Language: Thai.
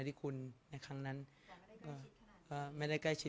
สงฆาตเจริญสงฆาตเจริญ